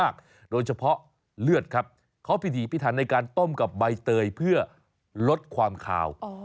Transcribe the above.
เค้าพิถีพิถันในการต้มกับไบเตยเพื่อลดความขาว